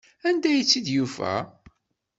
Anda ay tt-id-yufa?